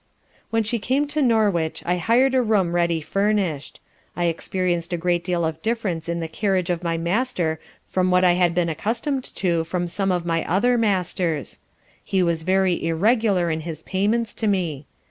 When she came to Norwich I hired a room ready furnished. I experienced a great deal of difference in the carriage of my Master from what I had been accustomed to from some of my other Masters. He was very irregular in his payments to me.